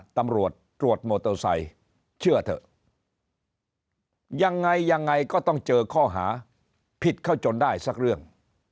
ตำรวจตรวจมอเตอร์ไซค์เชื่อเถอะยังไงยังไงก็ต้องเจอข้อหาผิดเขาจนได้สักเรื่อง